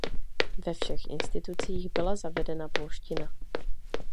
Ve všech institucích byla zavedena polština.